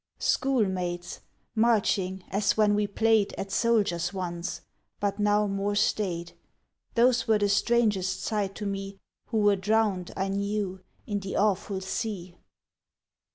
Schoolmates, marching as when we play'd At soldiers once but now more staid; Those were the strangest sight to me Who were drown'd, I knew, in the awful sea.